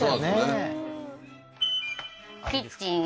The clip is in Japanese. キッチン